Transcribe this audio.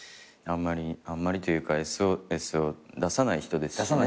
あんまりあんまりというかＳＯＳを出さない人ですしね。